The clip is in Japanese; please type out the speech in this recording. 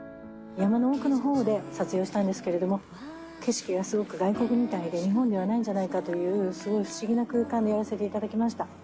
山の奥のほうで撮影をしたんですけれども、景色がすごく外国みたいで、日本ではないんじゃないかという、すごい不思議な空間でやらせていただきました。